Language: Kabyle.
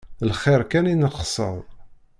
D lxir kan i neqsed.